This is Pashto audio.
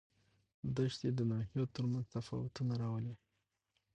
دښتې د ناحیو ترمنځ تفاوتونه راولي.